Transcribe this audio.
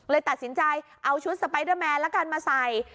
ตัดสินใจเอาชุดสไปเดอร์แมนละกันมาใส่